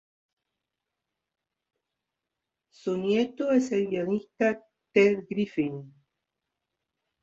Su nieto es el guionista Ted Griffin.